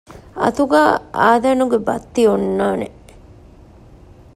އަތުގައި އާދަނުގެ ބައްތި އޮންނާނެ